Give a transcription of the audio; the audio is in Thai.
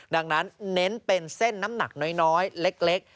ดังนั้นเน้นเป็นเส้นน้ำหนักน้อยเล็ก